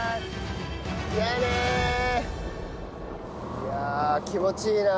いやあ気持ちいいな。